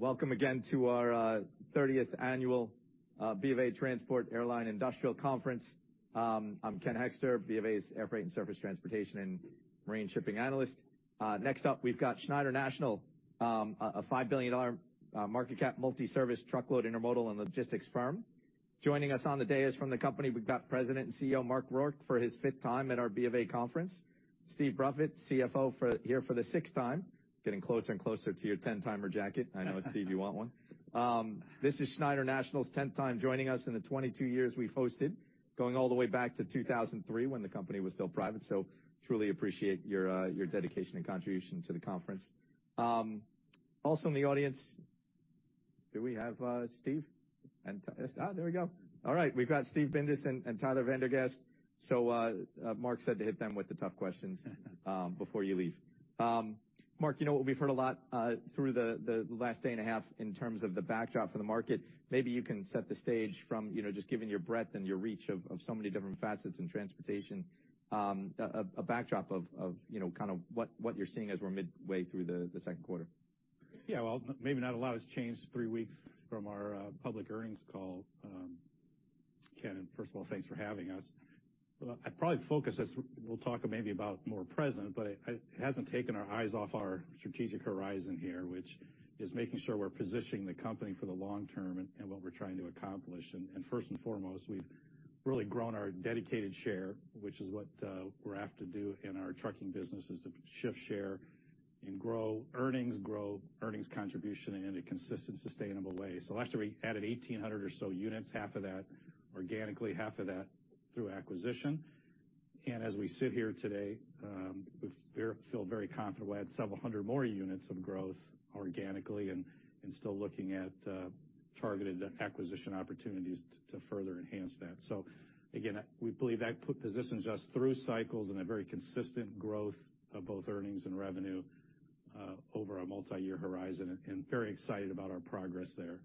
Welcome again to our 30th annual B of A Transport Airline Industrial Conference. I'm Ken Hoexter, B of A's Air Freight and Surface Transportation and Marine Shipping Analyst. Next up, we've got Schneider National, a $5 billion market cap multi-service truckload, intermodal and logistics firm. Joining us on the day is from the company, we've got President and CEO, Mark Rourke, for his 5th time at our B of A conference. Steve Bruffett, CFO here for the 6th time, getting closer and closer to your 10-timer jacket. I know, Steve, you want one. This is Schneider National's 10th time joining us in the 22 years we've hosted, going all the way back to 2003 when the company was still private. Truly appreciate your dedication and contribution to the conference. Also in the audience, do we have Steve? There we go. All right, we've got Steve Bindas and Tyler Vander Gaster. Mark said to hit them with the tough questions before you leave. Mark, you know what? We've heard a lot through the last day and a half in terms of the backdrop for the market. Maybe you can set the stage from, you know, just given your breadth and your reach of so many different facets in transportation, a backdrop of, you know, kind of what you're seeing as we're midway through the Q2. Maybe not a lot has changed three weeks from our public earnings call, Ken, first of all, thanks for having us. I'd probably focus as we'll talk maybe about more present, but it hasn't taken our eyes off our strategic horizon here, which is making sure we're positioning the company for the long term and what we're trying to accomplish. First and foremost, we've really grown our dedicated share, which is what we're after to do in our trucking business, is to shift share and grow earnings, grow earnings contribution in a consistent, sustainable way. Last year, we added 1,800 or so units, half of that organically, half of that through acquisition. As we sit here today, we feel very confident. We had several hundred more units of growth organically and still looking at targeted acquisition opportunities to further enhance that. Again, we believe that positions us through cycles in a very consistent growth of both earnings and revenue over a multi-year horizon, and very excited about our progress there.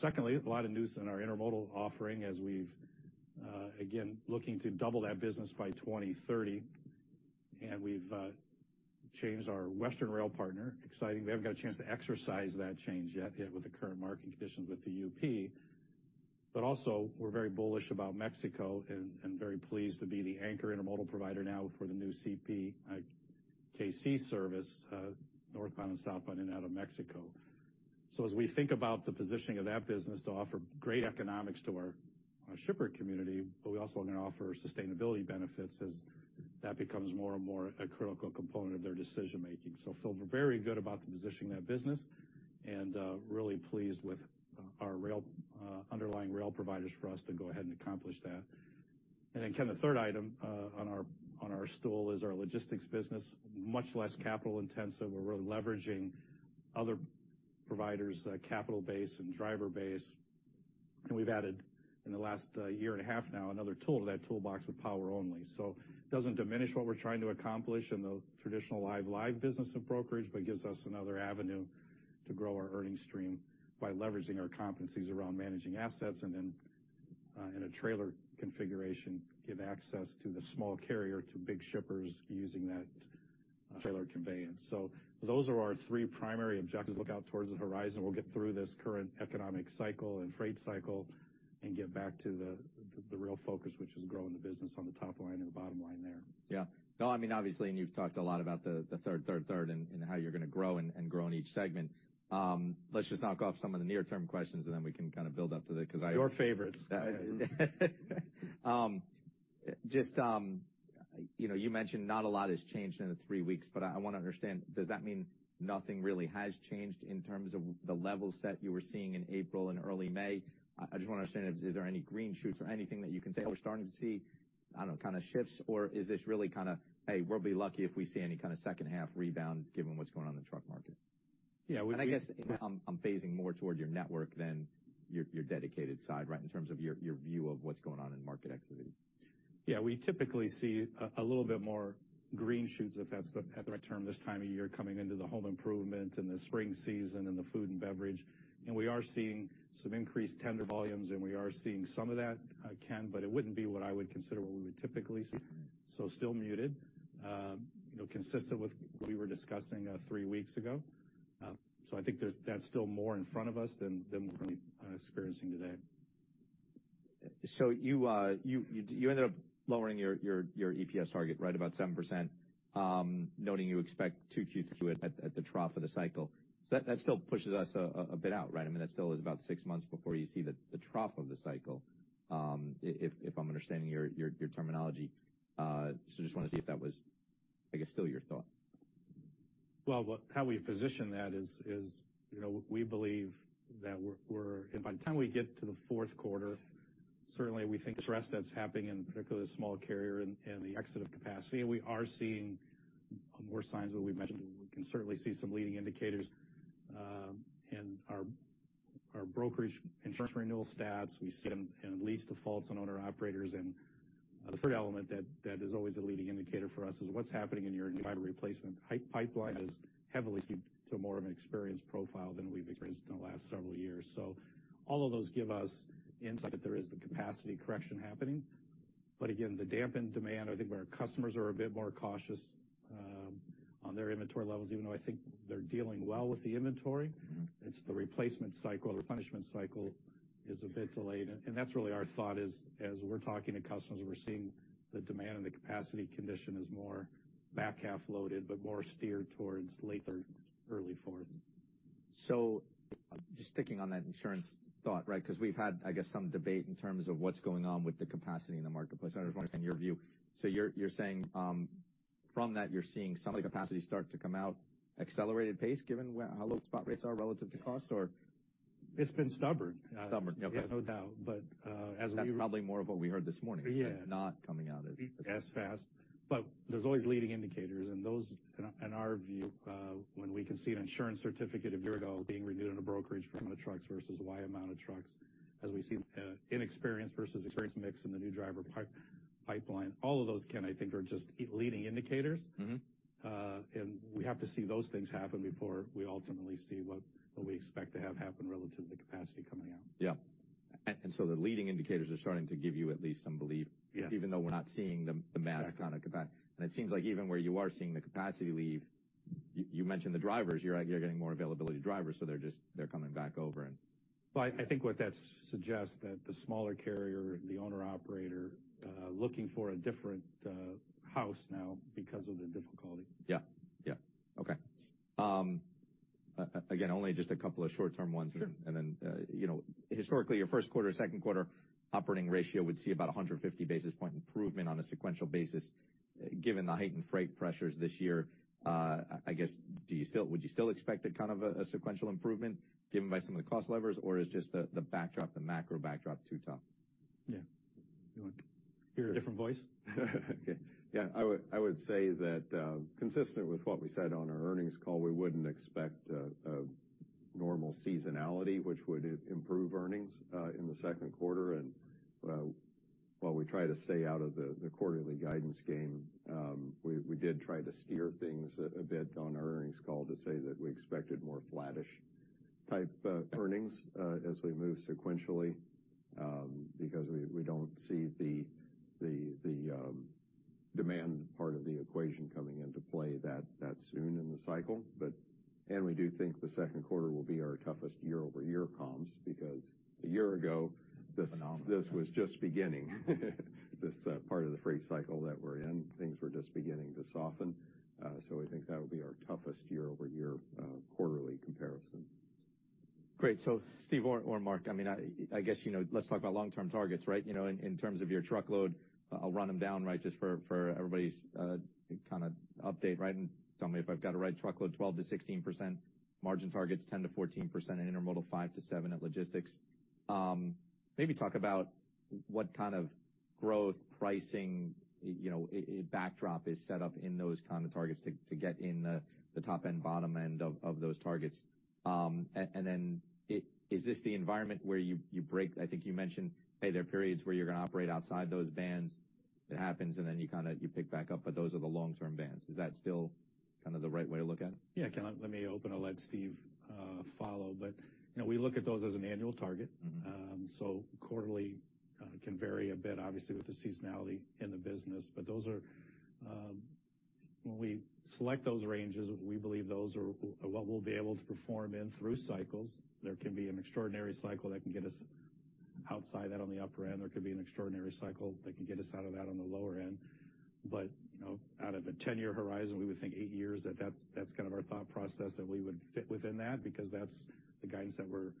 Secondly, a lot of news in our intermodal offering as we've again, looking to double that business by 2030, and we've changed our Western rail partner. Exciting. We haven't got a chance to exercise that change yet with the current market conditions with the UP. Also, we're very bullish about Mexico and very pleased to be the anchor intermodal provider now for the new CPKC service northbound and southbound in and out of Mexico. As we think about the positioning of that business to offer great economics to our shipper community, but we also are going to offer sustainability benefits as that becomes more and more a critical component of their decision-making. Feel very good about the positioning of that business and really pleased with our rail underlying rail providers for us to go ahead and accomplish that. Ken, the third item on our stool is our logistics business, much less capital intensive. We're really leveraging other providers, capital base and driver base, and we've added in the last year and a half now, another tool to that toolbox with Power Only. Doesn't diminish what we're trying to accomplish in the traditional live-live business of brokerage, but gives us another avenue to grow our earnings stream by leveraging our competencies around managing assets and then, in a trailer configuration, give access to the small carrier, to big shippers using that trailer conveyance. Those are our three primary objectives. Look out towards the horizon. We'll get through this current economic cycle and freight cycle and get back to the real focus, which is growing the business on the top line and bottom line there. Yeah. No, I mean, obviously, and you've talked a lot about the third, and how you're going to grow and grow in each segment. Let's just knock off some of the near-term questions, and then we can kind of build up to the, cause I Your favorite. You know, you mentioned not a lot has changed in the 3 weeks. I wanna understand, does that mean nothing really has changed in terms of the levels that you were seeing in April and early May? I just wanna understand, is there any green shoots or anything that you can say, "Oh, we're starting to see," I don't know, kinda shifts? Is this really kinda, "Hey, we'll be lucky if we see any kinda second half rebound given what's going on in the truck market"? Yeah. I guess I'm phasing more toward your network than your dedicated side, right? In terms of your view of what's going on in market activity. Yeah. We typically see a little bit more green shoots, if that's the right term, this time of year, coming into the home improvement and the spring season and the food and beverage. We are seeing some increased tender volumes, and we are seeing some of that, Ken, it wouldn't be what I would consider what we would typically see. Still muted. You know, consistent with what we were discussing, three weeks ago. I think that's still more in front of us than what we're experiencing today. You ended up lowering your EPS target, right? About 7%, noting you expect 2Q3 at the trough of the cycle. That still pushes us a bit out, right? I mean, that still is about 6 months before you see the trough of the cycle, if I'm understanding your terminology. Just wanna see if that was, I guess, still your thought. Well, how we position that is, you know, we believe that we're by the time we get to the Q4, certainly we think the rest that's happening in particular the small carrier and the exit of capacity, and we are seeing more signs that we mentioned. We can certainly see some leading indicators in our brokerage insurance renewal stats. We see them in lease defaults on owner-operators. The third element that is always a leading indicator for us is what's happening in your driver replacement pipeline is heavily skewed to more of an experienced profile than we've experienced in the last several years. All of those give us insight that there is the capacity correction happening. Again, the dampened demand, I think where our customers are a bit more cautious, on their inventory levels, even though I think they're dealing well with the inventory. Mm-hmm. It's the replacement cycle, the punishment cycle is a bit delayed, and that's really our thought is as we're talking to customers, we're seeing the demand and the capacity condition is more back half loaded, but more steered towards late third, early fourth. Just sticking on that insurance thought, right? Because we've had, I guess, some debate in terms of what's going on with the capacity in the marketplace. I just wonder, in your view. You're saying, from that, you're seeing some of the capacity start to come out accelerated pace given how low spot rates are relative to cost or? It's been stubborn. Stubborn, okay. There's no doubt, but. That's probably more of what we heard this morning. Yeah. It's not coming out as As fast. There's always leading indicators, and those, in our, in our view, when we can see an insurance certificate a year ago being renewed in a brokerage from the trucks versus Y amount of trucks, as we see inexperienced versus experienced mix in the new driver pipeline, all of those, I think, are just leading indicators. Mm-hmm. We have to see those things happen before we ultimately see what we expect to have happen relative to the capacity coming out. Yeah. The leading indicators are starting to give you at least some belief. Yes. Even though we're not seeing the mass kind of. Exactly. It seems like even where you are seeing the capacity leave, you mentioned the drivers. You're getting more availability drivers, so they're just coming back over and I think what that suggests that the smaller carrier, the owner-operator, looking for a different house now because of the difficulty. Yeah. Yeah. Okay. again, only just a couple of short-term ones. Sure. You know, historically, your Q1, Q2 operating ratio would see about 150 basis point improvement on a sequential basis. Given the heightened freight pressures this year, I guess, do you still, would you still expect a kind of a sequential improvement given by some of the cost levers, or is just the backdrop, the macro backdrop too tough? Yeah. You want to hear a different voice? Okay. Yeah. I would say that consistent with what we said on our earnings call, we wouldn't expect normal seasonality, which would improve earnings in the Q2. While we try to stay out of the quarterly guidance game, we did try to steer things a bit on our earnings call to say that we expected more flattish type earnings as we move sequentially, because we don't see the demand part of the equation coming into play that soon in the cycle. We do think the Q2 will be our toughest year-over-year comps because a year ago, this Phenomenal. This was just beginning, this, part of the freight cycle that we're in, things were just beginning to soften. We think that'll be our toughest year-over-year, quarterly comparison. Great. Steve or Mark, I mean, I guess, you know, let's talk about long-term targets, right? You know, in terms of your truckload, I'll run them down right just for everybody's, kind of update, right? Tell me if I've got it right. Truckload, 12%-16%. Margin targets, 10%-14%. In intermodal, 5%-7%, and logistics. Maybe talk about what kind of growth pricing, you know, a backdrop is set up in those kind of targets to get in the top end, bottom end of those targets. And then is this the environment where you break, I think you mentioned, hey, there are periods where you're going to operate outside those bands. It happens, and then you kind of, you pick back up, but those are the long-term bands. Is that still kind of the right way to look at it? Yeah. Ken, let me open. I'll let Steve follow. You know, we look at those as an annual target. Mm-hmm. So quarterly can vary a bit, obviously, with the seasonality in the business. Those are, when we select those ranges, we believe those are what we'll be able to perform in through cycles. There can be an extraordinary cycle that can get us outside that on the upper end. There could be an extraordinary cycle that can get us out of that on the lower end. You know, out of a 10-year horizon, we would think 8 years that that's kind of our thought process that we would fit within that because that's the guidance that we're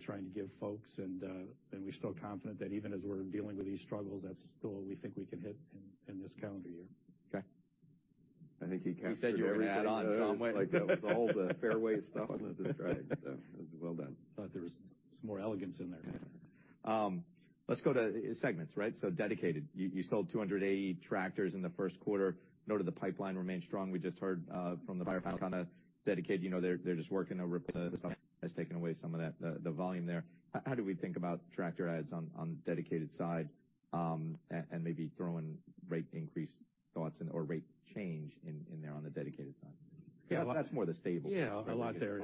trying to give folks. We're still confident that even as we're dealing with these struggles, that's still what we think we can hit in this calendar year. Okay. I think he captured everything. He said you were add on some way. It was all the fairway stuff was described, so it was well done. Thought there was some more elegance in there. Let's go to segments, right? Dedicated. You sold 280 tractors in the Q1. Noted the pipeline remained strong. We just heard from the buyer kind of dedicated, you know, they're just working to replace has taken away some of that, the volume there. How do we think about tractor adds on dedicated side, and maybe throw in rate increase thoughts or rate change in there on the dedicated side? Yeah. That's more the stable. Yeah, a lot there.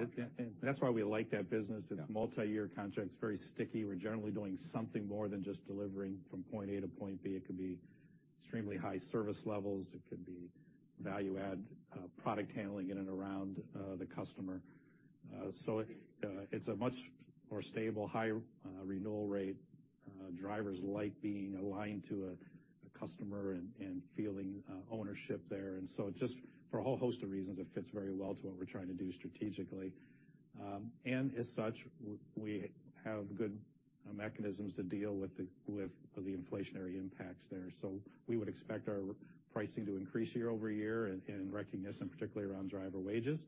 That's why we like that business. Yeah. It's multi-year contracts, very sticky. We're generally doing something more than just delivering from point A to point B. It could be extremely high service levels. It could be value add, product handling in and around the customer. It's a much more stable, high renewal rate. Drivers like being aligned to a customer and feeling ownership there. Just for a whole host of reasons, it fits very well to what we're trying to do strategically. As such, we have good mechanisms to deal with the inflationary impacts there. We would expect our pricing to increase year over year in recognition, particularly around driver wages.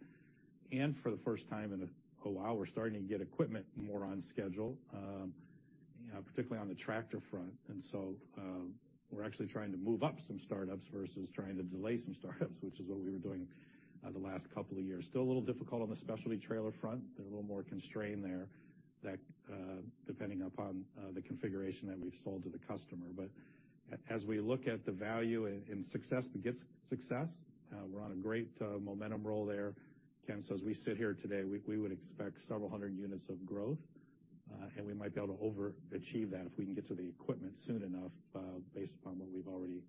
For the first time in a while, we're starting to get equipment more on schedule, particularly on the tractor front. We're actually trying to move up some startups versus trying to delay some startups, which is what we were doing the last couple of years. Still a little difficult on the specialty trailer front. They're a little more constrained there that, depending upon the configuration that we've sold to the customer. As we look at the value in success begets success, we're on a great momentum roll there. Ken, as we sit here today, we would expect several hundred units of growth. And we might be able to overachieve that if we can get to the equipment soon enough, based upon what we've already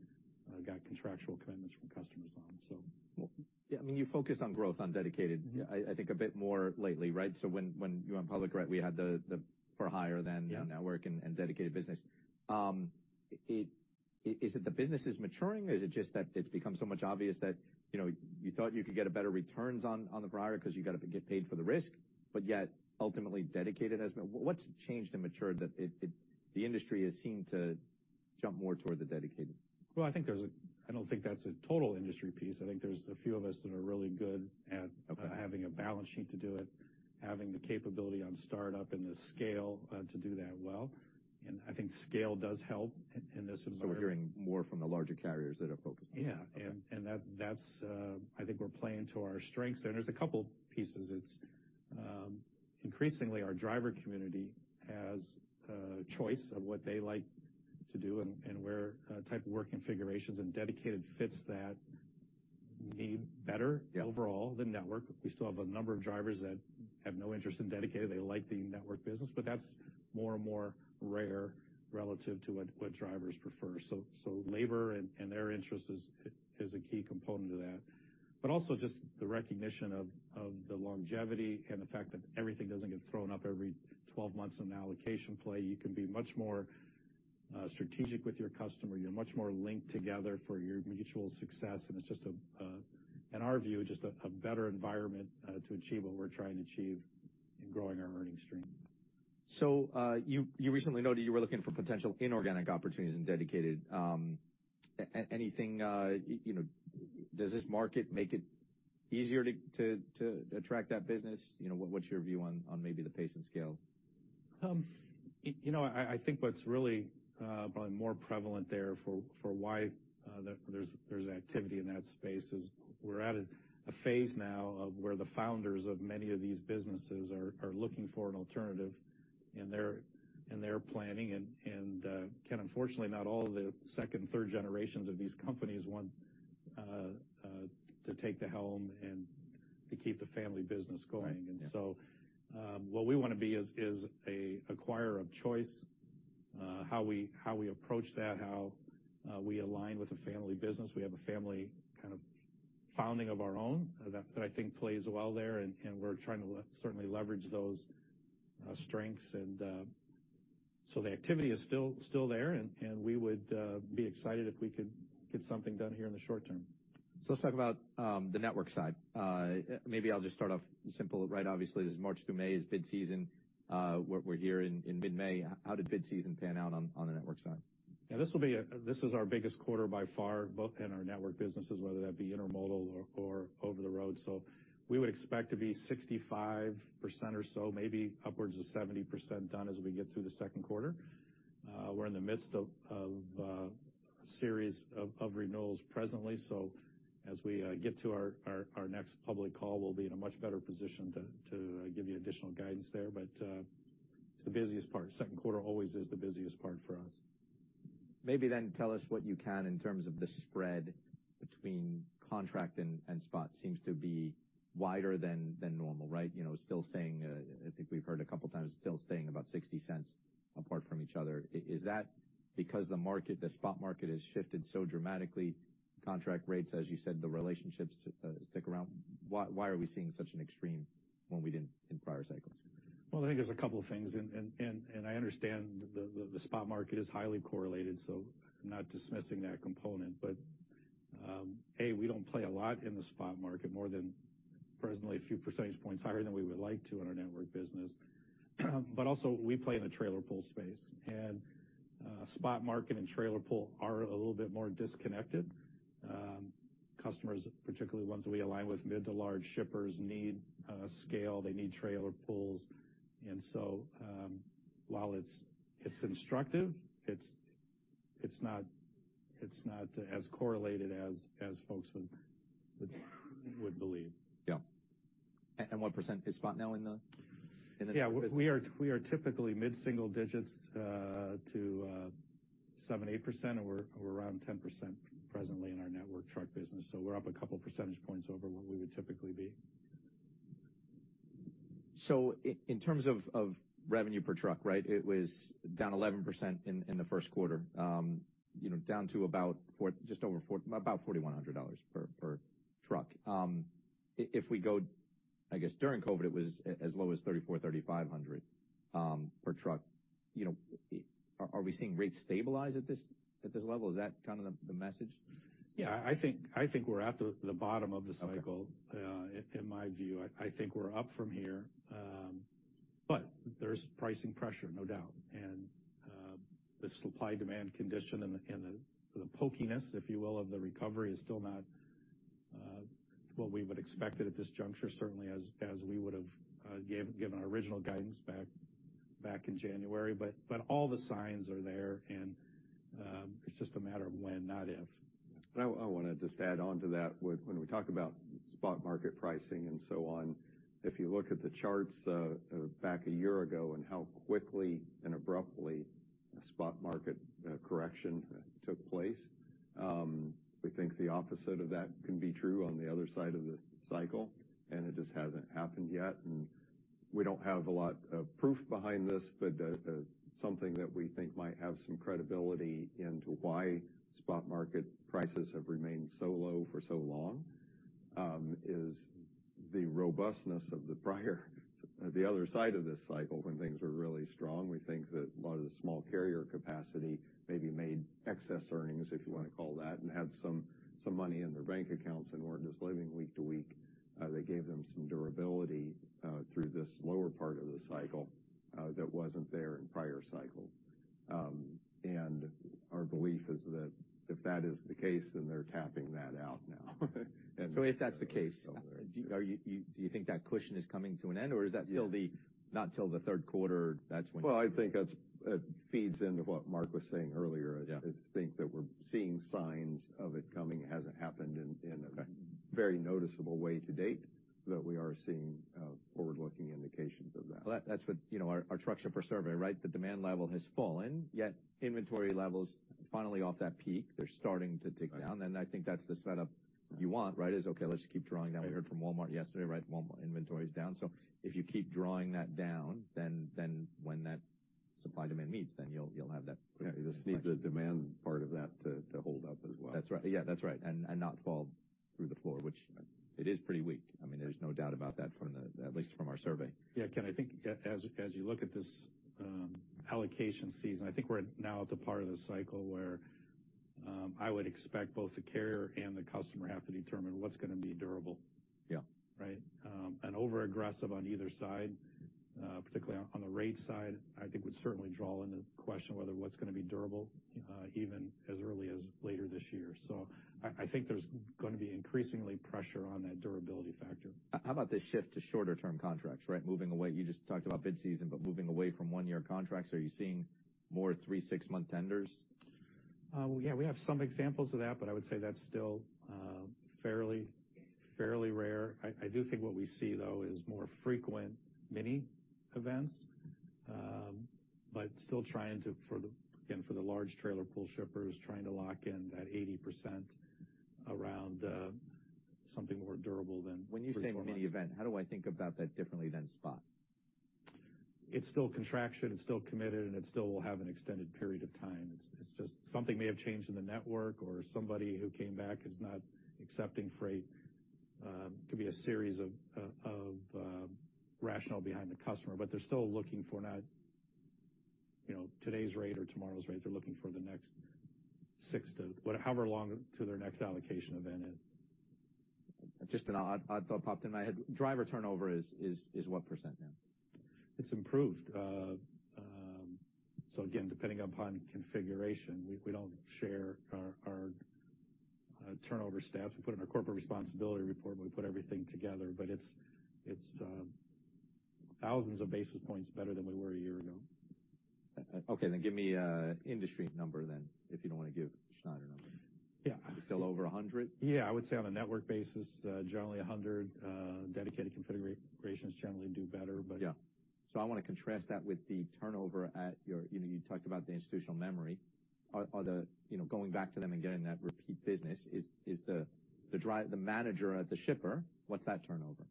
got contractual commitments from customers on. Well, yeah, I mean, you focused on growth on dedicated, I think a bit more lately, right? When you went public, right, we had the for hire. Yeah. The network and dedicated business. Is it the business is maturing or is it just that it's become so much obvious that, you know, you thought you could get a better returns on the prior cause you gotta get paid for the risk, but yet ultimately dedicated has been what's changed and matured that it. The industry has seemed to jump more toward the dedicated? Well, I think there's. I don't think that's a total industry piece. I think there's a few of us that are really good. Okay. having a balance sheet to do it, having the capability on startup and the scale, to do that well. I think scale does help in this environment. We're hearing more from the larger carriers that are focused on that. Yeah. Okay. That's, I think we're playing to our strengths, and there's a couple pieces. It's, increasingly, our driver community has choice of what they like to do and where, type of work configurations and dedicated fits that need better. Yeah. overall the network. We still have a number of drivers that have no interest in dedicated. They like the network business, but that's more and more rare relative to what drivers prefer. Labor and their interest is a key component to that. Also just the recognition of the longevity and the fact that everything doesn't get thrown up every 12 months on the allocation play. You can be much more strategic with your customer. You're much more linked together for your mutual success, and it's just a, in our view, just a better environment to achieve what we're trying to achieve in growing our earnings stream. You recently noted you were looking for potential inorganic opportunities in dedicated. anything, you know, does this market make it easier to attract that business? You know, what's your view on maybe the pace and scale? You know, I think what's really, probably more prevalent there for why there's activity in that space is we're at a phase now of where the founders of many of these businesses are looking for an alternative in their planning. Again, unfortunately, not all of the second and third generations of these companies want to take the helm and to keep the family business going. Right. Yeah. What we want to be is a acquirer of choice. How we approach that, how we align with a family business, we have a family kind of founding of our own that I think plays well there, and we're trying to certainly leverage those strengths. The activity is still there, and we would be excited if we could get something done here in the short term. Let's talk about the network side. Maybe I'll just start off simple, right? Obviously, this is March through May is bid season. We're here in mid-May. How did bid season pan out on the network side? This was our biggest quarter by far, both in our network businesses, whether that be intermodal or over-the-road. We would expect to be 65% or so, maybe upwards of 70% done as we get through the Q2. We're in the midst of a series of renewals presently. As we get to our next public call, we'll be in a much better position to give you additional guidance there. It's the busiest part. Q2 always is the busiest part for us. Tell us what you can in terms of the spread between contract and spot seems to be wider than normal, right? You know, still staying, I think we've heard a couple times, still staying about $0.60 apart from each other. Is that because the market, the spot market has shifted so dramatically, contract rates, as you said, the relationships stick around? Why are we seeing such an extreme when we didn't in prior cycles? Well, I think there's a couple things, and I understand the spot market is highly correlated, so I'm not dismissing that component. A, we don't play a lot in the spot market more than presently a few percentage points higher than we would like to in our network business. Also we play in the trailer pool space, and spot market and trailer pool are a little bit more disconnected. Customers, particularly ones that we align with mid to large shippers, need scale. They need trailer pools. So, while it's instructive, it's not as correlated as folks would believe. Yeah. what % is spot now in the business? Yeah. We are typically mid-single digits to 7, 8%, or we're around 10% presently in our network truck business. We're up a couple percentage points over what we would typically be. In terms of revenue per truck, right? It was down 11% in the Q1, you know, down to about $4,100 per truck. I guess, during COVID, it was as low as $3,400-$3,500 per truck. You know, are we seeing rates stabilize at this level? Is that kind of the message? Yeah. I think we're at the bottom of the cycle. Okay. In my view, I think we're up from here. There's pricing pressure, no doubt. The supply-demand condition and the, and the pokiness, if you will, of the recovery is still not what we would expected at this juncture, certainly as we would've given our original guidance back in January. All the signs are there, and it's just a matter of when, not if. I wanna just add on to that. When we talk about spot market pricing and so on, if you look at the charts, back a year ago and abruptly, a spot market correction took place. We think the opposite of that can be true on the other side of the cycle, and it just hasn't happened yet. We don't have a lot of proof behind this, but something that we think might have some credibility into why spot market prices have remained so low for so long, is the robustness of the other side of this cycle when things were really strong. We think that a lot of the small carrier capacity maybe made excess earnings, if you wanna call it that, and had some money in their bank accounts and weren't just living week to week. They gave them some durability, through this lower part of the cycle, that wasn't there in prior cycles. Our belief is that if that is the case, then they're tapping that out now. If that's the case, do you think that cushion is coming to an end? Is that still the Yeah. Not till the Q3, that's when Well, I think that's feeds into what Mark was saying earlier. Yeah. I think that we're seeing signs of it coming, it hasn't happened in a Okay. very noticeable way to date, but we are seeing, forward-looking indications of that. Well, that's what, you know, our Truckload Shipper Survey, right? The demand level has fallen, yet inventory levels finally off that peak. They're starting to tick down. Right. I think that's the setup you want, right? Okay, let's keep drawing that. We heard from Walmart yesterday, right? Walmart inventory is down. If you keep drawing that down, then when that supply demand meets, then you'll have that. Yeah, just need the demand part of that to hold up as well. That's right. Yeah, that's right. Not fall through the floor, which it is pretty weak. I mean, there's no doubt about that from the, at least from our survey. Yeah. Ken, I think as you look at this allocation season, I think we're now at the part of the cycle where I would expect both the carrier and the customer have to determine what's gonna be durable. Yeah. Right? Over-aggressive on either side, particularly on the rate side, I think would certainly draw into question whether what's gonna be durable, even as early as later this year. I think there's gonna be increasingly pressure on that durability factor. How about the shift to shorter term contracts, right? Moving away. You just talked about bid season, but moving away from one-year contracts, are you seeing more 3, 6-month tenders? Yeah, we have some examples of that, but I would say that's still fairly rare. I do think what we see, though, is more frequent mini-events. Still trying to, for the, again, for the large trailer pool shippers, trying to lock in that 80% around something more durable. When you say mini-event, how do I think about that differently than spot? It's still contraction, it's still committed, and it still will have an extended period of time. It's just something may have changed in the network or somebody who came back is not accepting freight. Could be a series of rationale behind the customer, but they're still looking for not, you know, today's rate or tomorrow's rate. They're looking for the next six to however long to their next allocation event is. Just an odd thought popped in my head. Driver turnover is what % now? It's improved. Again, depending upon configuration, we don't share our turnover stats. We put in our Corporate Responsibility Report. We put everything together. It's thousands of basis points better than we were a year ago. Give me industry number then if you don't wanna give Schneider number. Yeah. Still over 100? Yeah. I would say on a network basis, generally 100. dedicated configurations generally do better. Yeah. I wanna contrast that with the turnover at your, you know, you talked about the institutional memory. Are the, you know, going back to them and getting that repeat business, is the manager at the shipper, what's that turnover?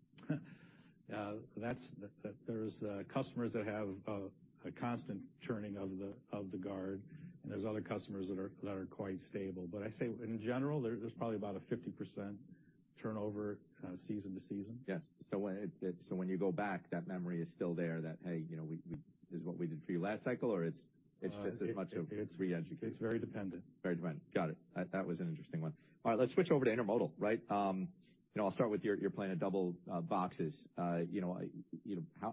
There's customers that have a constant churning of the guard, and there's other customers that are quite stable. I say in general, there's probably about a 50% turnover, season to season. Yes. when you go back, that memory is still there, that, hey, you know, This is what we did for you last cycle? Or it's just as much of re-educate? It's very dependent. Very dependent. Got it. That, that was an interesting one. All right, let's switch over to intermodal, right? you know, I'll start with your plan of double boxes. you know,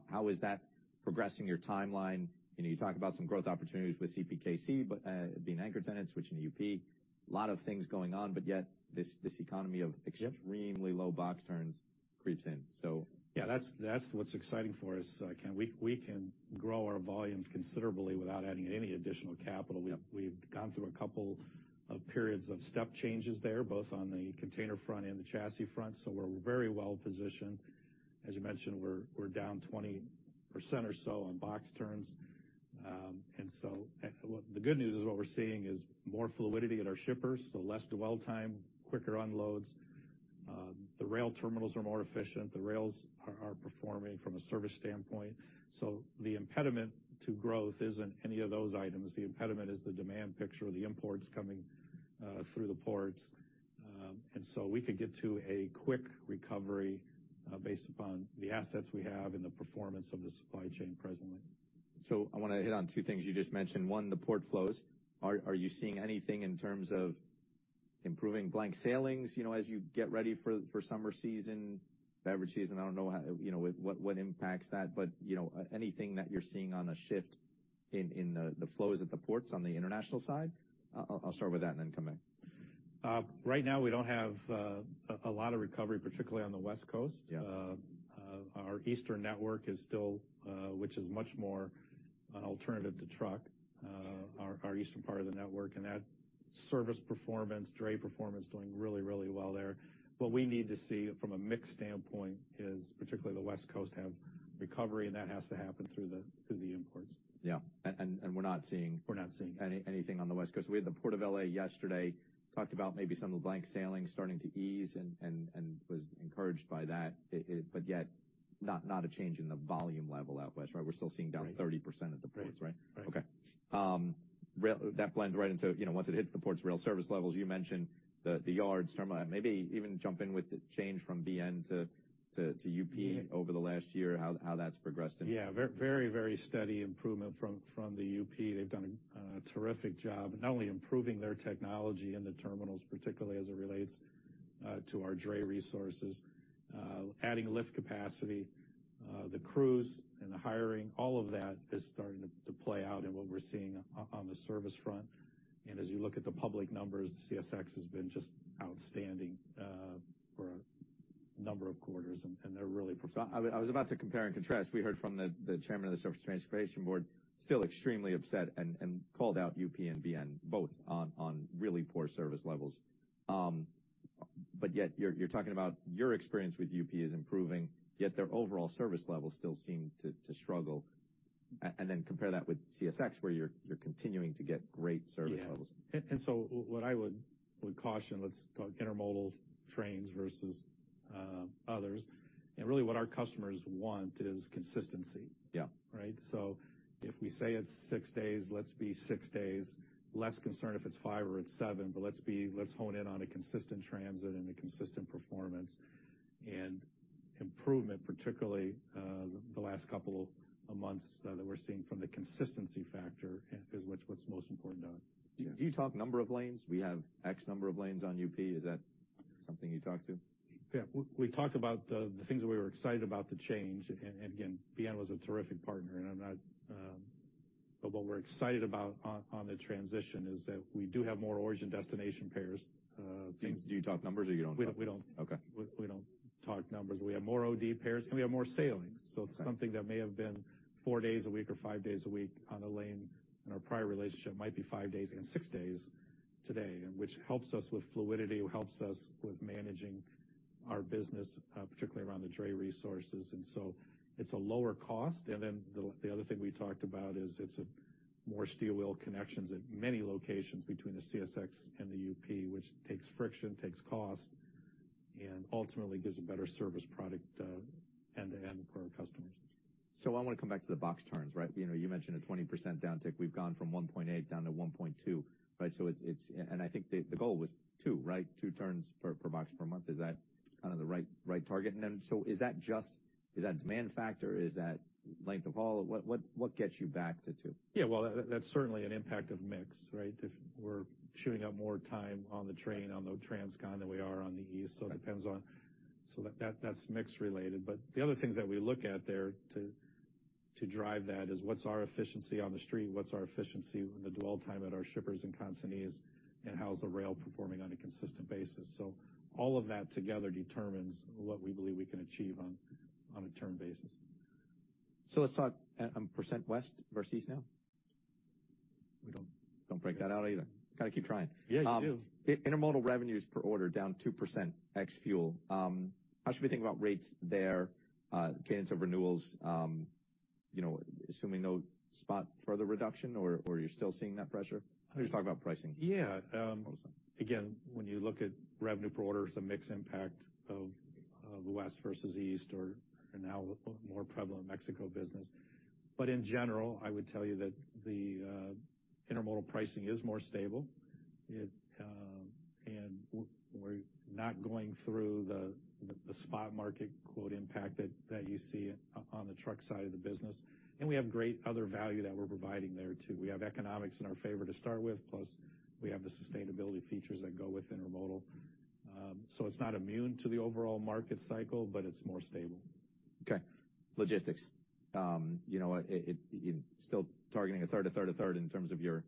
how is that progressing your timeline? You know, you talk about some growth opportunities with CPKC, but being anchor tenants, switching to UP. A lot of things going on, but yet this economy of extremely low box turns creeps in, so. Yeah. That's what's exciting for us, Ken. We can grow our volumes considerably without adding any additional capital. We've gone through a couple of periods of step changes there, both on the container front and the chassis front, so we're very well positioned. As you mentioned, we're down 20% or so on box turns. The good news is what we're seeing is more fluidity at our shippers, so less dwell time, quicker unloads. The rail terminals are more efficient. The rails are performing from a service standpoint. The impediment to growth isn't any of those items. The impediment is the demand picture of the imports coming through the ports. We could get to a quick recovery based upon the assets we have and the performance of the supply chain presently. I wanna hit on two things you just mentioned. One, the port flows. Are you seeing anything in terms of improving blank sailings, you know, as you get ready for summer season, beverage season? I don't know how, you know, what impacts that, but, you know, anything that you're seeing on a shift in the flows at the ports on the international side? I'll start with that and then come back. Right now we don't have a lot of recovery, particularly on the West Coast. Yeah. our eastern network is still, which is much more an alternative to Our eastern part of the network, and that service performance, dray performance doing really, really well there. What we need to see from a mix standpoint is particularly the West Coast have recovery, and that has to happen through the imports. Yeah. we're not seeing We're not seeing it. Anything on the West Coast. We had the Port of L.A. yesterday, talked about maybe some of the blank sailings starting to ease and was encouraged by that. Yet, not a change in the volume level out west, right? We're still seeing down Right. 30% at the ports, right? Right. Right. Okay. That blends right into, you know, once it hits the ports, rail service levels, you mentioned the yards, terminal. Maybe even jump in with the change from BN to UP over the last year, how that's progressed in. Yeah. Very steady improvement from the UP. They've done a terrific job, not only improving their technology in the terminals, particularly as it relates to our dray resources, adding lift capacity, the crews and the hiring, all of that is starting to play out in what we're seeing on the service front. And as you look at the public numbers, CSX has been just outstanding for a number of quarters, and they're really performing I was about to compare and contrast. We heard from the chairman of the Surface Transportation Board, still extremely upset and called out UP and BN both on really poor service levels. Yet you're talking about your experience with UP is improving, yet their overall service levels still seem to struggle. Compare that with CSX, where you're continuing to get great service levels. Yeah. What I would caution, let's talk intermodal trains versus others. Really what our customers want is consistency. Yeah. Right? If we say it's 6 days, let's be 6 days. Less concerned if it's 5 or it's 7, but let's be, let's hone in on a consistent transit and a consistent performance. Improvement, particularly, the last couple of months, that we're seeing from the consistency factor is what's most important to us. Do you talk number of lanes? We have X number of lanes on UP. Is that something you talk to? Yeah. We talked about the things that we were excited about the change. Again, BN was a terrific partner, and I'm not. What we're excited about on the transition is that we do have more origin destination pairs, things. Do you talk numbers or you don't? We don't. Okay. We don't talk numbers. We have more OD pairs, and we have more sailings. Okay. Something that may have been four days a week or five days a week on a lane in our prior relationship might be five days and six days today, which helps us with fluidity, helps us with managing our business, particularly around the dray resources. It's a lower cost. The other thing we talked about is it's a more steel wheel connections at many locations between the CSX and the UP, which takes friction, takes cost, and ultimately gives a better service product, end-to-end for our customers. I wanna come back to the box turns, right? You know, you mentioned a 20% downtick. We've gone from 1.8 down to 1.2, right? And I think the goal was 2, right? 2 turns per box per month. Is that kind of the right target? Is that length of haul? What gets you back to 2? Yeah. Well, that's certainly an impact of mix, right? If we're chewing up more time on the train, on the Transcon than we are on the east, it depends on. That's mix related. The other things that we look at there to drive that is what's our efficiency on the street, what's our efficiency with the dwell time at our shippers and consignees, and how's the rail performing on a consistent basis. All of that together determines what we believe we can achieve on a turn basis. Let's talk on % west versus east now. We don't. Don't break that out either. Gotta keep trying. Yeah, you do. Intermodal revenues per order down 2% ex-fuel. How should we think about rates there, cadence of renewals, you know, assuming no spot further reduction, or you're still seeing that pressure? How would you talk about pricing? Yeah. Sorry. When you look at revenue per order, it's a mix impact of the west versus east or now more prevalent Mexico business. In general, I would tell you that the intermodal pricing is more stable. It, and we're not going through the spot market quote impact that you see on the truck side of the business. We have great other value that we're providing there too. We have economics in our favor to start with, plus we have the sustainability features that go with intermodal. It's not immune to the overall market cycle, but it's more stable. Okay. Logistics. you know, you're still targeting a third, a third, a third in terms of your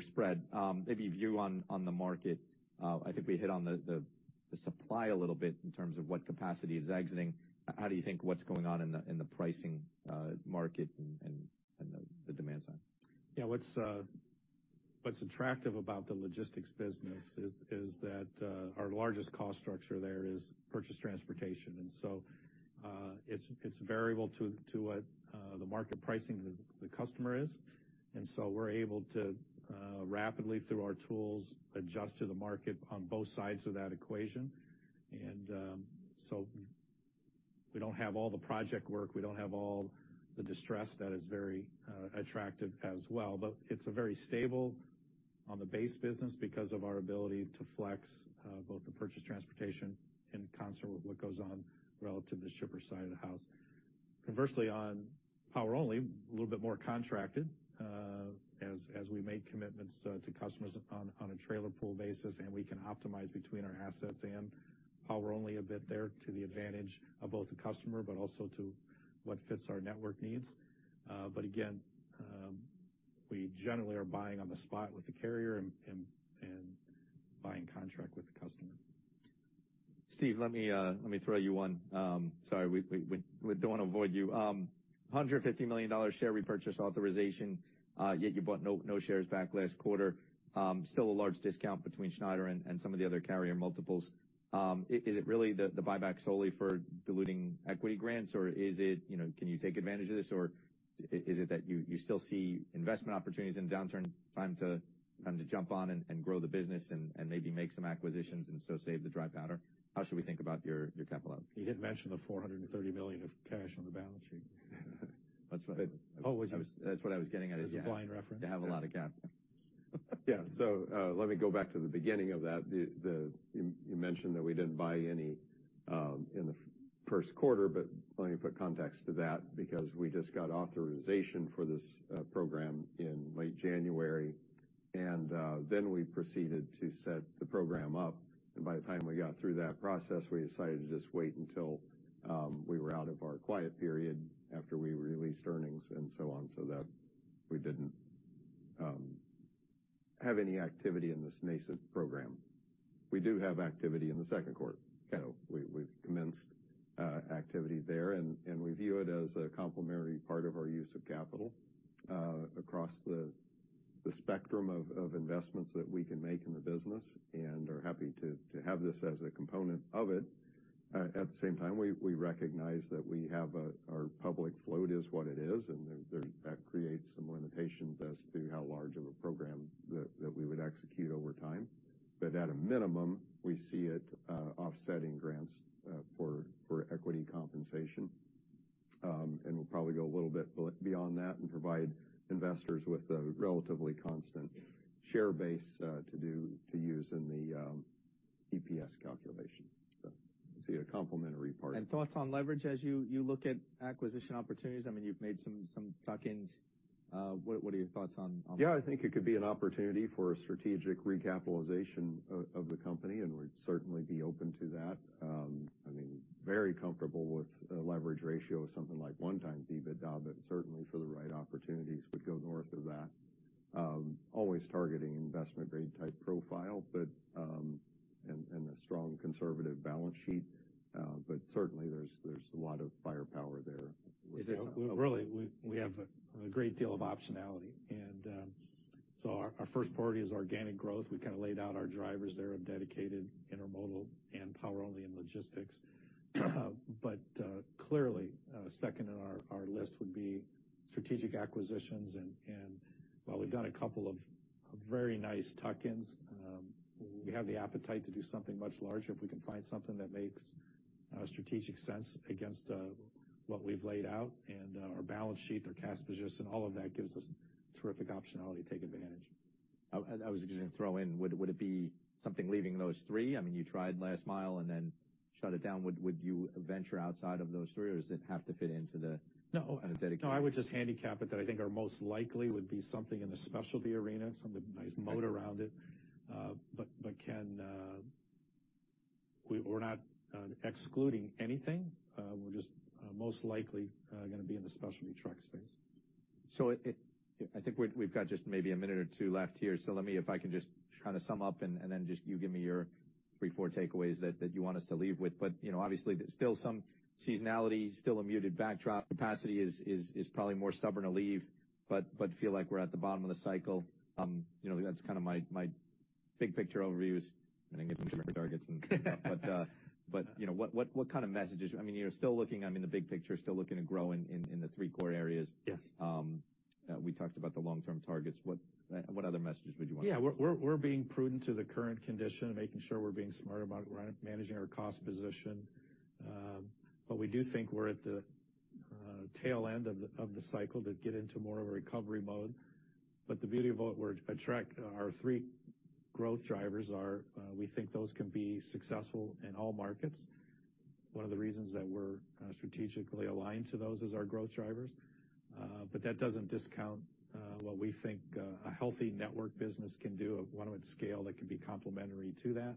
spread. maybe view on the market, I think we hit on the supply a little bit in terms of what capacity is exiting. How do you think what's going on in the pricing, market and the demand side? Yeah. What's attractive about the logistics business is that our largest cost structure there is purchased transportation. It's variable to what the market pricing the customer is. We're able to rapidly through our tools, adjust to the market on both sides of that equation. We don't have all the project work, we don't have all the distress that is very attractive as well. It's a very stable on the base business because of our ability to flex both the purchased transportation in concert with what goes on relative to the shipper side of the house. Conversely, on power only, a little bit more contracted, as we make commitments, to customers on a trailer pool basis, and we can optimize between our assets and power only a bit there to the advantage of both the customer but also to what fits our network needs. Again, we generally are buying on the spot with the carrier and buying contract with the customer. Steve, let me, let me throw you one. Sorry, we don't wanna avoid you. $150 million share repurchase authorization, yet you bought no shares back last quarter. Still a large discount between Schneider and some of the other carrier multiples. Is it really the buyback solely for diluting equity grants, or is it, you know, can you take advantage of this? Or is it that you still see investment opportunities in downturn, time to jump on and grow the business and maybe make some acquisitions and so save the dry powder? How should we think about your capital? You had mentioned the $430 million of cash on the balance sheet. That's. Always. That's what I was getting at, is yeah. It was a blind reference. To have a lot of capital. Let me go back to the beginning of that. The you mentioned that we didn't buy any in the Q1, but let me put context to that because we just got authorization for this program in late January. Then we proceeded to set the program up, and by the time we got through that process, we decided to just wait until we were out of our quiet period after we released earnings and so on, so that we didn't have any activity in this nascent program. We do have activity in the Q2. Kind of we've commenced activity there. We view it as a complementary part of our use of capital across the spectrum of investments that we can make in the business and are happy to have this as a component of it. At the same time, we recognize that our public float is what it is, and that creates some limitation as to how large of a program that we would execute over time. At a minimum, we see it offsetting grants for equity compensation. We'll probably go a little bit beyond that and provide investors with a relatively constant share base to use in the EPS calculation. See it a complementary part. Thoughts on leverage as you look at acquisition opportunities? I mean, you've made some tuck-ins. What are your thoughts on that? Yeah, I think it could be an opportunity for a strategic recapitalization of the company. We'd certainly be open to that. I mean, very comfortable with a leverage ratio of something like 1 times EBITDA, but certainly for the right opportunities would go north of that. Always targeting investment-grade type profile, but, and a strong conservative balance sheet. Certainly there's a lot of firepower there with Is it Oh. Really, we have a great deal of optionality. Our first priority is organic growth. We kind of laid out our drivers there of dedicated intermodal and Power Only and logistics. Clearly, second in our list would be strategic acquisitions and while we've done a couple of very nice tuck-ins, we have the appetite to do something much larger if we can find something that makes strategic sense against what we've laid out. Our balance sheet, our cash position, all of that gives us terrific optionality to take advantage. I was just gonna throw in, would it be something leaving those three? I mean, you tried last mile and then shut it down. Would you venture outside of those three, or does it have to fit into the? No. kind of dedicated No, I would just handicap it that I think our most likely would be something in the specialty arena, something with nice moat around it. We're not excluding anything. We're just most likely gonna be in the specialty truck space. I think we've got just maybe a minute or two left here. Let me, if I can just try to sum up and then just you give me your three, four takeaways that you want us to leave with. You know, obviously there's still some seasonality, still a muted backdrop. Capacity is probably more stubborn to leave, but feel like we're at the bottom of the cycle. You know, that's kinda my big picture overview is gonna get some different targets and stuff. You know, what kind of messages? I mean, you're still looking, I mean, the big picture is still looking to grow in the three core areas. Yes. We talked about the long-term targets. What, what other messages? Yeah. We're being prudent to the current condition, making sure we're being smart about managing our cost position. We do think we're at the tail end of the cycle to get into more of a recovery mode. The beauty about where at Schneider, our three growth drivers are, we think those can be successful in all markets. One of the reasons that we're strategically aligned to those as our growth drivers. That doesn't discount what we think a healthy network business can do at, one with scale that can be complementary to that.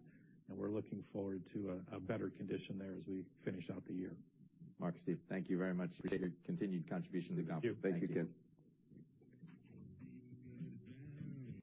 We're looking forward to a better condition there as we finish out the year. Mark, Steve, thank you very much. Thank you. Appreciate your continued contribution to the company. Thank you. Thank you, Ken. Thank you.